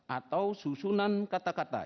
atau susunan kata kata